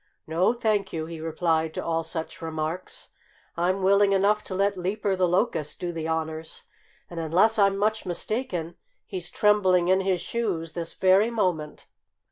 "No, thank you!" he replied to all such remarks. "I'm willing enough to let Leaper the Locust do the honors. And unless I'm much mistaken, he's trembling in his shoes this very moment."